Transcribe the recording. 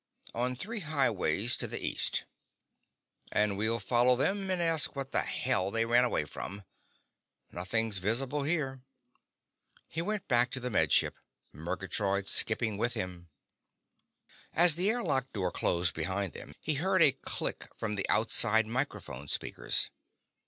On three highways, to the east. And we'll follow them and ask what the hell they ran away from. Nothing's visible here!" He went back to the Med Ship, Murgatroyd skipping with him. As the airlock door closed behind them, he heard a click from the outside microphone speakers.